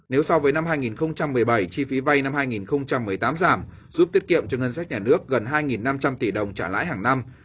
nếu so với năm hai nghìn một mươi bảy chi phí vay năm hai nghìn một mươi tám giảm giúp tiết kiệm cho ngân sách nhà nước gần hai năm trăm linh tỷ đồng trả lãi hàng năm